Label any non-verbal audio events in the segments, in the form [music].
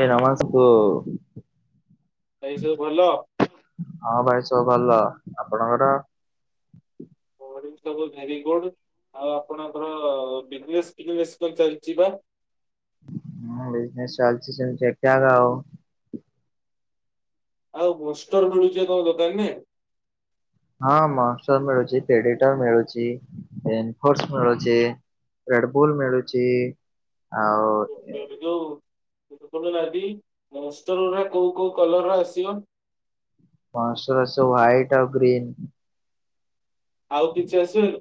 ଏ ନମସ୍ [unintelligible] ଭାଇ ସବୁ ଭଲ? ହଁ ଭାଇ ସବୁ ଭଲ ଆପଣଙ୍କର? ସବୁ ଭେରି ଗୁଡ ଆଉ ଆପଣଙ୍କରଜନେ ଫ [unintelligible] ବେଶୀ ପଚାରିଛି। ହଁଜନସ ଚାଲଛି ଚାଛ କ କା [unintelligible] ଆଉ ବୋଷ୍ଟର ମିଳୁଛି କଣ ଦୋକାନରେ? ହଁ ମା ମିଳୁଛିଡିଟ ମିଳୁଛି ଏୋର୍ସ ମିଳୁଛି [unintelligible] ରେଡବୁଲ ମିଳୁଛି ଆଉ ଯୋଉ ମୁଁ କହିଲି ଆଦି ରୋଷ୍ଟର ରା କୋଉ କୋଉ କଲର ର ଆସିବ? ମସରସ [unintelligible] ହ୍ୱାଇଟ୍ ଆଉ ଗ୍ରୀନ୍। ଆଉ କିଛି ଆସିବନି?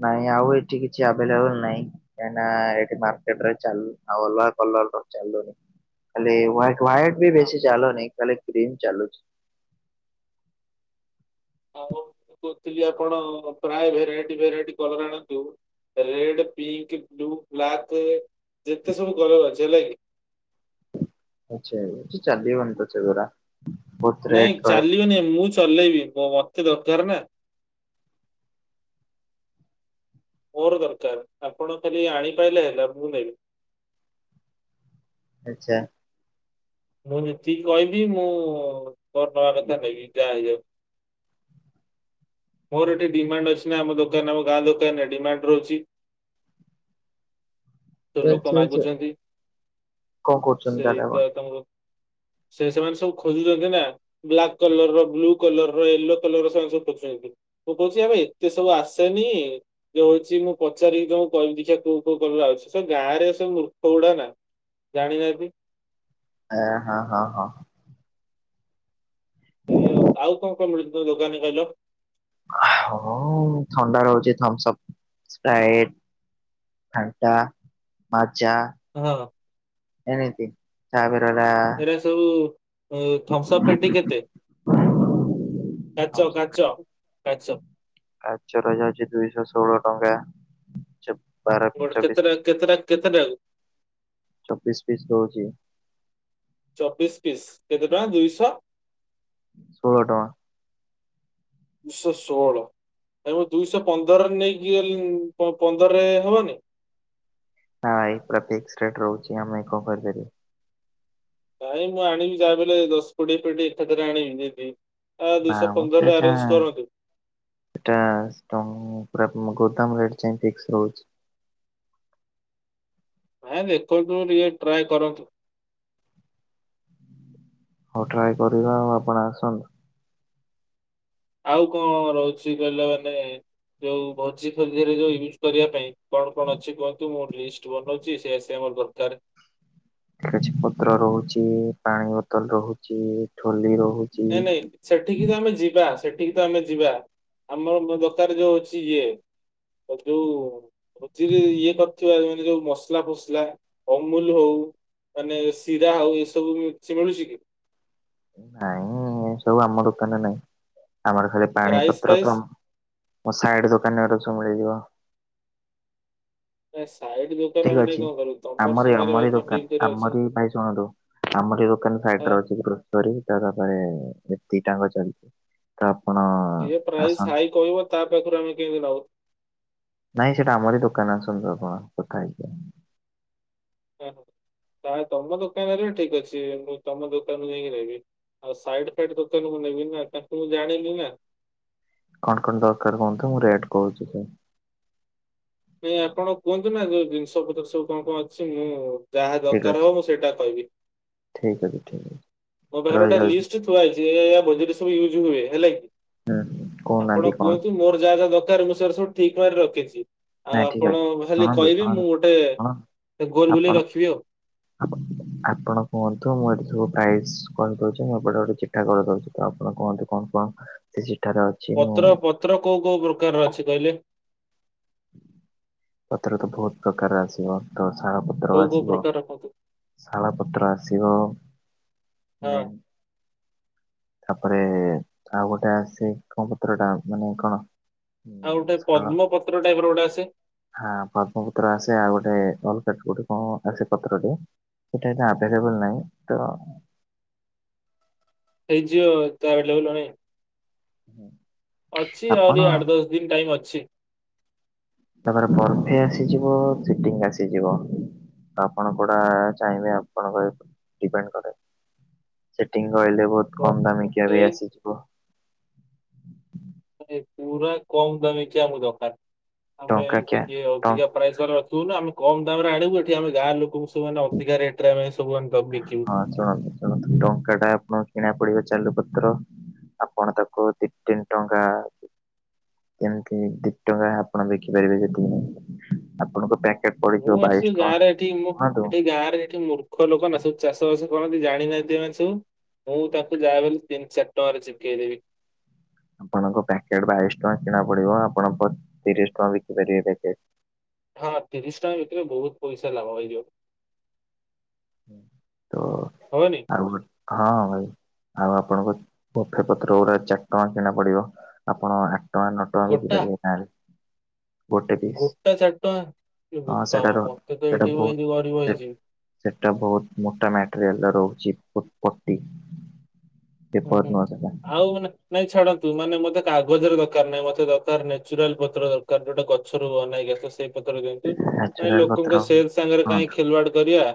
ନାଇଁ ଆଉ ଏଠି କିଛି ଆଭେଲେବଲ୍ ନାଇଁ। କାହିଁକିନା ଏକ ମାର୍କେଟରେ ଅଲଗା କଲର୍ ର ଚାଲୁନି। ଖାଲି ୱାଇଟ ୱାଇଟ ବି ବେଶି ଚାଲୁ ନାଇଁ ଖାଲି କ୍ରିନ ଚାଲୁଛି। ଆଉ ମୁଁ କହୁଥିଲି ଆପଣ ପ୍ରାୟ ଭେରାଇଟି ଭେରାଇଟି କଲର ଆଣନ୍ତୁ। ରେଡ ପିଙ୍କ ବ୍ଲୁ ବ୍ଲାକ୍ ଯେତେ ସବୁ କଲର ଅଛି ହେଲା କିି? ଆଚଛା ଚାଲିନ [unintelligible] ତ ଧରା ନାଇଁ ଚାଲିବନି ମୁଁ ଚଲେଇବି ମତେ ମ ଦରକାର ନା। ମୋର ଦରକାର ଆପଣ ଖାଲି ଆଣିପାଇଲେ ହେଲା ମୁଁ ନେବି ଆଚଛା ମୁଁ ଯେତିକି କହିଲି ମୁଁ ତୋର ନବା କଥା ନେଇକି ଯାହା ହେଇଯାଉ ମୋର ଏଠି ଡିମାଣ୍ଡ ଅଛି ନା ଆମ ଦୋକାନ ଆମ ଗାଁ ଦୋକାନରେ ଡିମାଣ୍ଡ ରହୁଛି। ଯୋଉ ଲୋକ ଆଚ୍ଛା ଆଚ୍ଛା। ମାଗୁଛନ୍ତି କଣ କରୁଛନ୍ତି ସେଇ ତାହେଲେ ଆପଣ? ତ ତମର ସେ ସେମାନେ ସବୁ ଖୋଜୁଛନ୍ତି ନା। ବ୍ଲାକ୍ କଲର ର ବ୍ଲୁ କଲର ର ୟେଲୋ କଲର ର ସାଙ୍ଗ ସବୁ [unintelligible] ମୁଁ କଉଛି ଏ ଭ ଏତେ ସବୁ ଆସେନି ଯୋଉ ହଉଛି ମୁଁ ପଚାରି କି ତମକୁ କହିବି ଦେଖିବା କୋଉ କୋଉ କଳର ଆସୁଛି ତ ଗାଁ ରେ ସବୁ ମୂର୍ଖ ଗୁଡା ନା ଜାଣିନାହାନ୍ତି ଏ ହଁ ହଁ ହଁ ଏଇଏ ଆଉ କଣ କଣ ମିଳୁଛି ତମ ଦୋକାନରେ କହିଲ? ହଁ ଥଣ୍ଡା ରହୁଛି ଥମ୍ସଅପ୍ ସ୍ପରାଇଟ୍ ଘାଣ୍ଟା ମାଜା ହଁ ଏନିତି ତାପରେ ଗଟା ଥିରେ ସବୁ ଥଂସ ପେଟି କେତେ? କାଚ କାଚ କାଚ କଚରଜ ଅଛି ଦୁଇଶହ ଷୋହଳ ଟଙ୍କା ବାର ଗୋଟେ ଚବିଶ କେତେଟା କେତେଟା କେତେଟାକୁ ଚବିଶ ପିଶ ରହୁଛି ଚବିଶ ପିସ୍ କେତେ ଟଙ୍କା ଦୁଇଶହ? ଷୋହଳ ଟଙ୍କା ଉଶ ସୋଳ ଆ ମୁ ଦୁଇଶହ ପନ୍ଦର ନେଇକି ପନ୍ଦରରେ ହବନି? ନା ଭାଇ ପୁରା ଫିକ୍ସ ରେଟ ରହୁଛି ଆମେ କଣ କରି ପାରିବା ନାଇଁ ମୁଁ ଆଣିବି ଯାହା ବଲେ ଦଶ କୋଡିଏ କୋଡି ଏକଠାଥରେ ଆଣିବି ଯିବି ଆ ନା ଦୁଇଶହ ମ ପନ୍ଦରରେ ସେଟା ଅରେଞ୍ଜ କରନ୍ତୁ ସେଟା ପୁରା ଗୋଦାମ ରେଟ ଯ ଫିକ୍ସ ରହୁଛି ନାଇଁ ଦେଖନ୍ତୁ ଟିକେ ଟ୍ରାଏ କରନ୍ତୁ ହଉ ଟ୍ରାଏ କରିବା ଆଉ ଆପଣ ଆସନ୍ତୁ। ଆଉ କଣ ରହୁଛି କହିଲା ମାନେ ଯୋଉ ଭୋଜି ଫୋଜି ରେ ଯୋଉ ୟୁଜ୍ କରିବା ପାଇଁ କଣ କଣ ଅଛି କୁହନ୍ତୁ ମୁଁ ଲିଷ୍ଟ ବନଉଛି ସେ ଆସ ମୋର ଦରକାରାରେ କିଛି ପତ୍ର ରହୁଛି ପାଣି ବୋତଲ ରହୁଛି ଠୋଲି ରହୁଛି ନନାଇ ସେଠିକି ତ ଆମେ ଯିବା ସେଠିକି ତ ଆମେ ଯିବା ଆମର ଦୋକାନ ଯୋଉ ହଉଛି ଇଏ ଯୋଉ ଭୋଜି ରେ ଇଏ କରିଥିବା ନେ ଯୋଉ ମସଲା ଫସ ଲା ଅମୁଲ ହଉ ମାନେ ଶିରା ହଉ ଏସବୁ ବି ସେ ମିଳୁଛି କି? ନାଇଁ ଏ ସବୁ ଆମ ଦୋକାନରେ ନାଇଁ ଆମର ଖାଲି ପାଣି ରାଇସ୍ ପତ୍ର ଫାଇସ୍ କମ ମୋ ସାଇଡ ଦୋକାନ ରେ ସବୁ ମିଳିଯିବ ଏ ସାଇଡ ଯୋ ଠିକ ଅଛି ଆମରି ଆମରି ଡିଲ୍ ଦୋକାନ କରିବାର ଅଛି ଆମରି ଭାଇ ଶୁଣନ୍ତୁ ଆମର ଏ ଦୋକାନ ଫାକ୍ଟୁ ହଁ ରୁ ଅଛି [unintelligible] କରିବ ତା ତାପରେ ଏତିକି ଟାଙ୍କ ଚାଲିଛି ତ ଆପଣ ଯିଏ ପ୍ରାଇସ୍ ଆସନ୍ତୁ ହାଇ କହିବ ତା ପାଖରୁ ଆମେ କେମିତି ନଉ ନାଇଁ ସେଇଟା ଆମରି ଦୋକାନ ଆସନ୍ତୁ ଆପଣ କଥା ହେଇଯିବ ତା ତମ ଦୋକାନରେ ଠିକ ଅଛି ମୁଁ ତମ ଦୋକାନରୁ ନେଇକି ରହିବି ଆଉ ସାଇଡ ଫାଇଡ ଦୋକାନକୁ ନେବି ନା ତା ମୁଁ ଜାଣିଲି ନା କଣ କଣ ଦରକାର କୁହନ୍ତୁ ମୁଁ ରେଟ୍ କହୁଛି ସ ନାଇଁ ଆପଣ କୁହନ୍ତୁ ନା ଯୋଉ ଜିନିଷ ପତ୍ର ସବୁ କଣ କଣ ଅଛି ମୁଁ ଯାହା ଦରକାର ହବ ମୁଁ ସେଇଟା କହିବି ଠିକ୍ ଅଛି ଠିକ୍ ଅଛି ମୋ ପାଖରେ ଗୋଟେ ରହିଯାଉଛି। ଲିଷ୍ଟ ଥୁଆଇଛି ଏଆ ଏ ଆ ବଜଟରେ ସବୁ ୟୁଜ୍ ହୁଏ ହେଲା ହୁଁ କି କହୁନାହାନ୍ତି ଆପଣ କଣ କୁହନ୍ତୁ ସବୁ ମୋର ଯାହା ଯାହା ଦରକାର ମୁଁ ସେଟ ସବୁ ଠିକ ମାରି ରଖିଛି ଆଉ ନାଇଁ ଠିକ ଆପଣ ଅଛି ଖାଲି ଶୁଣନ୍ତୁ କହିବି ଶୁଣନ୍ତୁ ମୁଁ ଗୋଟେ ଗୋଲ ବୁଲେଇ ରଖିବି ଆଉ ହଁ ଆପଣ କୁହନ୍ତୁ ମୁଁ ଏଠି ସବୁ ପ୍ରାଇସ୍ କହିଦଉଛି ମୁଁ ଏପଟେ ଗୋଟେ ଚିଠା କରିଦେଉଛି ତ ଆପଣ କୁହନ୍ତୁ କଣ କଣ ସେ ସେଠାରେ ଅଛି ମୁଁ ପତ୍ର ପତ୍ର କୋଉ କୋଉ ପ୍ରକାରର ଅଛି କହିଲେ? ପତ୍ର ତ ବହୁତ ପ୍ରକାରର ଆସିବ ତ ଛାଳ କୋଉ ପତ୍ର କୋଉ ଆସିବ ପ୍ରକାରର କୁହନ୍ତୁ? ଶାଳପତ୍ର ଆସିବ ହଁ ମେନ୍ ତାପରେ ଆଉ ଗୋଟେଆସେ କଣ ପତ୍ର ଟା ମାନେ କଣ ଆଉ ଉଁ, ଗୋଟେ ଶାଳ ପଦ୍ମପତ୍ର ଟାଇପ ର ଗୋଟେ ଆସେ ହଁ ପଦ୍ମପୁତ୍ର ଆସେ ଆଉ ଗୋଟେ ଅଲୋ କଣ ଆସେ ପତ୍ରଟି ସେଇଟା ଏ ଆଭେଲେବଲ ନାହିଁ ତ ଏଇ ଜିଓ ତ ଏଭେଲେବଲନାଇ ହୁଁ ଅଛି ଆହୁରି ଆଠ ଦଶ ଦିନ ଟାଇମ ଅଛି ତାପରେ ପର୍ଫେ ଆସିଯିବ ସିଟିଙ୍ଗ ଆସିଯିବ ଆପଣ କଉଡା ଚାହିଁବେ ଆପଣଙ୍କ ଡିପେଣ୍ଡ କରେ ସେଟିଙ୍ଗ କହିଲେ ବହୁତ କମ ଦାମ ସେ କିବେ ଆସିଯିବ ପୁରା କମ୍ ଦାମିକିଆ ଆମକୁ ଦରକାର ଆମେ ଟଙ୍କାକିଆ ଟିକେ ଟ ଅଧିକା ପ୍ରାଇସ୍ ବାର ରଖିବୁ ନା ଆମେ କମ୍ ଦାମରେ ଆଣିବୁ ଏଠି ଆମେ ଗାଁ ଲୋକଙ୍କୁ ସବୁ ମାନେ ଅଧିକା ରେଟରେ ଆମେ ସବୁ ଆଣି ସବୁ ବିକିିବୁ। ଚଳନ୍ତୁ ଚଳନ୍ତୁ ଟଙ୍କାଟା ଆପଣଙ୍କୁ କିଣା ପଡିବ ଚାଲୁ ପତ୍ର ଆପଣ ତାକୁ ଆଉ ଦି ତିନି ଟଙ୍କା କେମିତି ଦି ଟଙ୍କା ଆପଣ ବିକି ପାରିବେ ହେଥିପାଇଁ ଆପଣଙ୍କ ବ୍ୟା ମୁଁ ଆକ୍ଚୁଆଲି ଗାଁରେ ଏଠି ମୁଁ ଏଠି ଗାଁରେ ଏଠି ମୂର୍ଖ ଲୋକ ନା ସବୁ ଚାଷ ବାସ କଣକିଛି ଜାଣିନାହାଁନ୍ତି ଏମାନେ ସବୁ ମୁଁ ତାଙ୍କୁ ଯାହା ବୋଲି ତିନି ଚାରି ଟଙ୍କାରେ ଚିପ୍କେଇଦେବି। ଆପଣଙ୍କ ପ୍ୟାକେଟ୍ ବାଇଶି ଟଙ୍କା କିଣା ପଡିବ ଆପଣ ପ ତିରିଶ ଟଙ୍କା ବିକି ପାରିବେ ପ୍ୟାକେଟ୍। ହଁ ତିରିଶ ଟଙ୍କା ଭିତରେ ବହୁତ ପଇସା ଲାଭ ହେଇଯିବ। ତ ହବନି ଆଉ ହଁ ଭାଇ। ଆଉ ଆପଣଙ୍କ ବଫେ ପତ୍ର ଗୁଡା ଚାରି ଟଙ୍କା କିଣା ପଡିବ ଆପଣ ଆ ଆଠ ଟଙ୍କା ନଅ ଟଙ୍କା ବିକି ଗୋଟା ପାରିବେ ଗାଁରେ। ଗୋଟେ ପିସ୍ ଗୋଟା ଚାରିଟଙ୍କା ଇଲୋ ହଁ ବୋପା ମା ସେଟାର ମତେ ତ ସେଟା ଏଇଠି ମୁଁ ବହୁତ ହେଇଯିବି ଗରିବ ସେ ହେଇଯିବି। ସେଟା ବୋହୁତୁ ମୋଟା ମ୍ୟାଟେରିଆଲର ରହୁଛି ପ ପଟି। ହୁଁ ହୁଁ ପେପର ନୁହଁ ସେଟା। ଆଉ ମାନେ ନାଇଁ ଛାଡ଼ନ୍ତୁ ମାନେ ମତେ କାଗଜରେ ଦରକାର ନାହିଁ ମତେ ଦରକାର ନେଚୁରାଲ ପତ୍ର ଦରକାର ଯୋଉଟା ଗଛରୁ ବନା ହେଇକି ଆସିଥିବ ସେ ପତ୍ର ଦିଅନ୍ତୁ ମାନେ ନାଚୁରାଲ ପତ୍ର ଲୋକଙ୍କ ହଁ ସେଲ୍ ସାଙ୍ଗରେ କାଇଁ ଖେଲୁଆଡ କରିବା।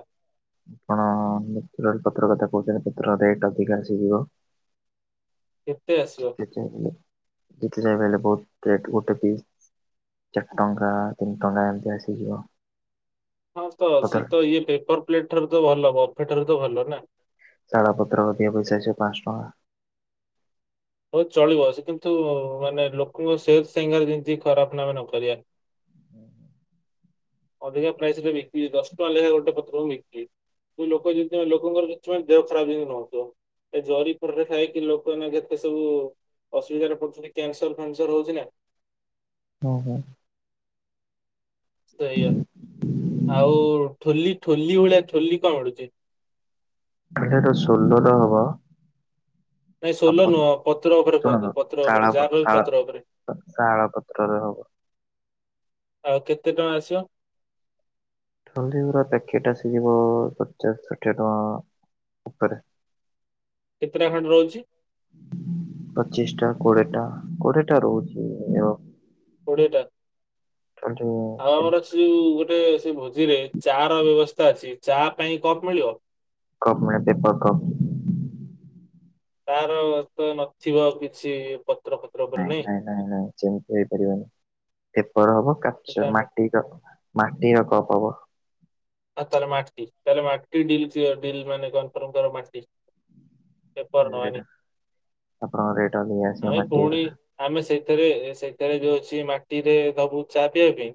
ଆପଣ ନେଚୁରାଲ ପତ୍ର କଥା କହୁଛନ୍ତି ପତ୍ର ରେଟ୍ ଅଧିକା ଆସିଯିବ। କେତେ ଆସିବ? [unintelligible] ଦେଖିଲେ ଜାଣି ପାରିବେ ବହୁତ ରେଟ୍ ଗୋଟେ ପିସ୍। ଚାରି ଟଙ୍କା ତିନି ଟଙ୍କା ଏମିତି ଆସିଯିବ। ହଁ ତ ସିଏ କଦଳୀ ତ ଇଏ ପେପର ପ୍ଲେଟ ଠାରୁ ତ ଭଲ ବଫେ ଠାରୁ ତ ଭଲ ନା। ଶାଳପତ୍ର ଅଧିକା ପଇସା ଅସିବ ପାଞ୍ଚ ଟଙ୍କା। ହଉ ଚଳିବ ସେ କିନ୍ତୁ ମାନେ ଲୋକଙ୍କ ସେ [unintelligible] ସାଙ୍ଗରେ ଯେମିତି ଖରାପ ନା ଆମେ ନ କରିବା। ହୁଁ ହୁଁ। ଅଧିକା ପ୍ରାଇସ ରେ ବିକିବି ଦଶ ଟଙ୍କା ଲେଖାଏ ଗୋଟେ ପତ୍ରକୁ ବିକିବି। ଯୋଉ ଲୋକ ଯେମିତି ମାନେ ଲୋକଙ୍କର [unintelligible] ଦେହ ଖରାପ ଯେମିତି ନ ହଉଥିବ। ଏ‌ ଜରି ଫରିରେ ଖାଇକି ଲୋକ ଏଇନା କେତେ ସବୁ ଅସୁବିଧାରେ ପଡ଼ୁଛନ୍ତି କ୍ୟାନସର ଫ୍ୟାନସର ହଉଛି ନା। ହୁଁ ହୁଁ। ସେଇଆ ଆଉ ଠୋଲି ଠୋଲି ଭଳିଆ ଠୋଲି କଣ ମିଳୁଛି? ଆଜ୍ଞା ଏଟା ଷୋଲର ହବ। ନାଇଁ ଆଉ ପ ସୋଲ ନୁହଁ ପତ୍ର ଉପରେ ଶୁଣନ୍ତୁ କୁହନ୍ତୁ ପତ୍ର ଶାଳ ଉପରେ ପ ଯାହା କହିବେ ଶାଳ ପତ୍ର ଉପରେ। ଶାଳ ପତ୍ରରେ ହବ। ଆଉ କେତେ ଟଙ୍କା ଆସିବ? ଆହୁରି ପୁରା ପ୍ୟାକେଟ ଆସିଯିବ ପଚାଶ ଷାଠିଏ ଟଙ୍କା। ଉପରେ। କେତେଟା ଖଣ୍ଡେ ରହୁଛି? ପଚିଶିଟା କୋଡ଼ିଏ ଟା କୋଡ଼ିଏ ଟା ରହୁଛି ମିନିମମ୍। କୋଡ଼ିଏଟା। [unintelligible] ଆଉ ଆମର ସେ ଯୋଉ ଗୋଟେ ସେ ଭୋଜିରେ ଚା ର ବ୍ୟବସ୍ଥା ଅଛି ଚା ପାଇଁ କପ୍ ମିଳିବ? କପ୍ ପାଇଁ ପେପର କପ୍। ତାର ତ ନଥିବ କିଛି ପ ନାଇଁ ନାଇଁ ନାଇଁ ନାଇଁ ସେମିତି ହେଇପାରିବନି ପେପର ହବ କାଚ ସେଟା ମାଟି କପ୍। ମାଟିର କପ୍ ହବ। ଆଉ ତାହଲେ ମାଟି ତାହେଲେ ମାଟି ଡିଲ୍ କ୍ଲିଅର ଡିଲ୍ ମାନେ କନଫର୍ମ କର ମାଟି। ପେପର ରେଟ୍ ନବାନି ଆପଣଙ୍କ ରେଟ୍ ଅଧିକ ଆସିବ ଆମେ ମାଟି ଗୁରା। ପୁଣି ଆମେ ସେଥିରେ ସେଟାରେ ଯୋଉ ଅଛି ମାଟିରେ ଦବୁ ଚା ପିଇବା ପାଇଁ।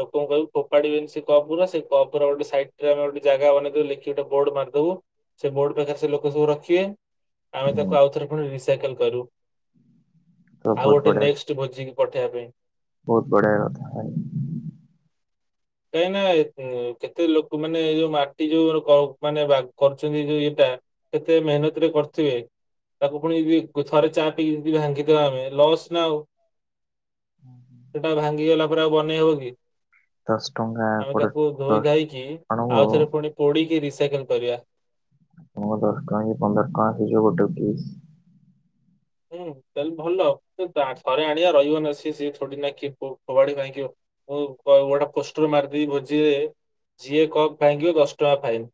ଲୋକଙ୍କୁ କହିବୁ ଫୋପାଡ଼ି ବେନି ସେ କପ୍ ଉରା ସେ କପ୍ ଉପର ଗୋଟେ ସାଇଡରେ ଆମେ ଗୋଟେ ଜାଗା ବନେଇ ଦବୁ ଲେଖିକି ଗୋଟେ ବୋଡ଼ ମାରି ଦବୁ। ସେ ବୋର୍ଡ ପାଖରେ ସେ ଲୋକ ସବୁ ରଖିବେ ଆମେ ତାକୁ ହୁଁ ଆଉଥରେ ପୁଣି ରିସାଇକେଲ କରିବୁ। ତ ଆଉ ବହୁତ ଗୋଟେ ବଢିଆ ନେକ୍ସଟ ଭୋଜିିକି ପଠେଇବା ପାଇଁ। ବହୁତ ବଢ଼ିଆ କଥା [unintelligible] କାହିଁକ ନା ଏ କେତେ ଲୋକ ମାନେ ଏଇ ଯୋଉ ମାଟି ଯୋଉ ମାନେ କ [unintelligible] ମାନେ ବା କରୁଛନ୍ତି ଯୋଉ ଇଏଟା। କେତେ ମେହନତ ରେ କରୁଥିବେ। ତାକୁ ପୁଣି [unintelligible] ଥରେ ଚା ପିଇକି ଭାଙ୍ଗି ଦବା ଆମେ ବସ୍ ନା ଆଉ। ସେଟା ଭାଙ୍ଗିଗଲା ପରେ ଆଉ ବନେଇ ହବ କି? ଦଶ ଟଙ୍କା ଆମେ କୋଡିଏ ତାକୁ ଧୋଇ ଧୋଇକି ଆଉ ଆପଣଙ୍କୁ ଥରେ ପୁଣି ପୋଡିକି ରିସାଇକେଲ କରିବା। ତମ ଦଶ ଟଙ୍କା କି ପନ୍ଦର ଟଙ୍କା ହେଇଯାଏ ଗୋଟେ ପିସ। ହୁଁ ତାହେଲେ ଭଲ ଥରେ ଆଣିବା ରହିବ ନା ସଏ ସିଏ ଛୋ ନା କିଏ କଚାଡ଼ି ଭାଙ୍ଗିବ। ମୁଁ ଗୋଟେ ପୋଷ୍ଟର ମାରିଦେଇ ଭୋଜିରେ ରଖିବି। ଯିଏ କପ ଭାଙ୍ଗିବ ଦଶଟଙ୍କା ଫାଇନ।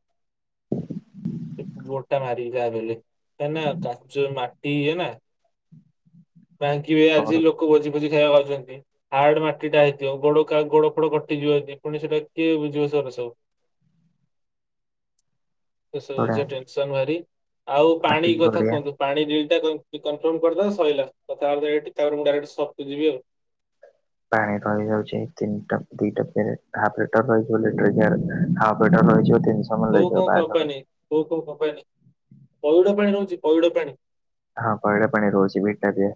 ସେ ଗୋଟ ଟା ମାରିକି ଖା ବଲେ କାଁନା କାଚ ମାଟି ନା କାଁଙ୍କି ବି ପାମ୍ପଡ଼ ଆଜି ଲୋକ ଭୋଜି ଭୋଜି ଖାଇବାକୁ ପାାଉଛନ୍ତି। ହାର୍ଡ ମାଟିଟା ହେଇଥିବ ଗୋଡ ଗୋଡ ଫୋଡ କଟିଯିବ ଯ ପୁଣି ସେଇଟା କିଏ ବୁଝିବ ସେ ଟା ସବୁ। ସୋଡ଼ା ସବୁ ଟେନସନ ଭାରି ଆଉ ପାଣି ମାଟିକି କଥା ଗଡିଆ କୁହନ୍ତୁ ପାଣି ମିଳିବ କି ଟ କନଫର୍ମ କରିଦେ ସହିଲା କଥାବାର୍ତା ତାପରେ ମୁଁ ସ୍ପଟକୁ ଯିବି। ପାଣି ରହିଯାଉଛି ତିନିଟା ଦିଟା ଲିଟର ରହିିବ ଲଟର ଲିଟର ରହିିବନି। ଲାଗଯିବ ବ ବାହାଘରାରୁ। ହଉ କୋଉ କଉ ପାଣି ରହୁଛିପଇଡ଼ ପାଣି ରହୁଛିପଇଡ଼ ପାଣି। ହଁ ପଇଡ ପାଣି ରୋହୁଛି ଭିତରେ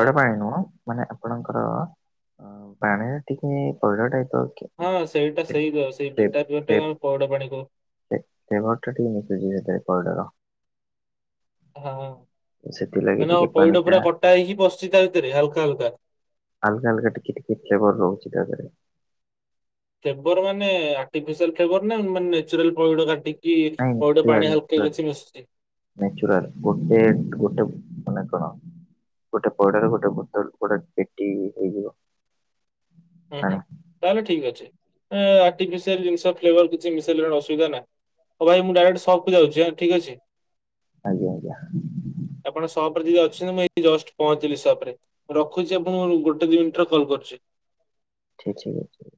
ହଁ। ପାଣି ନୁହଁ। ମାନେ ଆପଣଙ୍କର ପାଣିଟା ଠିକ୍ ପଇଡ଼ ପରି ହଁ ସେଇଟା ସେଇ ସେଇ ଲିଟାର ଟା ଆମେ ପଇଡ଼ ପାଣି କହୁ। ଏ ଘର ପାଣିଟା ମିଶେ ଟିକେ ପଇଡ଼ ସହ। ହଁ ସେଥିଲାଗି ମାନେ ଟିକେ ପାଣି ପଇଡ ଟା ପୁରା କଟା ହେଇକି ବସି ତା ଭିତରେ ହାଲକା ହାଲକା। ହାଲକା ହାଲକା ଟିକେ ଫ୍ଲେବର ରହୁଛି ତାହାଲେ। କେବେ ର ମାନେ ଆଟିଫିସିଆଲଫ୍ଲେଭରମାନେ ନା ନେଚୁରାଲ ପଇଡ଼ କାଟି ନାଇଁ ପଇଡ଼ ପାଣି ହାଲୁକା କି ମିଶୁଛି। ନଚୁରାଲ ଗୋଟେ ଗୋଟେ ମାନେ କଣ ଗୋଟେ ପଇଡର ଗୋଟେ ବୋତଲ ଗୋଟେ ପେଟି ହେଇଯିବ ହୁଁ ହୁଁ ପାଣି ତାହେଲେ ଠିକ ଅଛି ଆଟିଫିସିଆଲଫ୍ଲେଭର ମିଶିଲେ କିଛି ଅସୁବିଧା ନାହିଁ। ଓଉ ଭାଇ ମୁ ଡାଇରେକ୍ଟ ସଫକୁ ଯାଉଛିଁ ଠିକ ଅଛି। ଆଜ୍ଞା ଆଜ୍ଞା। ଆପଣ ସପ୍ ରେ ଯଦି ଅଛନ୍ତି ମୁଁ ଏ ଜଷ୍ଟ ପହଞ୍ଚିଲି ସପ ରେ। ରଖୁଛି ଆପଣ ଗୋଟେ ଗୋଟେ ଦି ମିନିଟରେ କଲ କରୁଛି। ଠିକ ଠିକ ଅଛି।